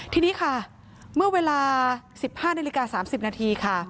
ทีนี้เมื่อเวลา๑๕นาฬิกา๓๐นาที